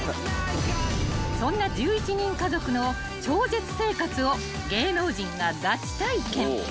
［そんな１１人家族の超絶生活を芸能人ががち体験］